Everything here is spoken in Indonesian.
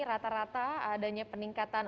rata rata adanya peningkatan